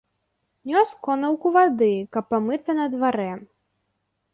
Нёс конаўку вады, каб памыцца на дварэ.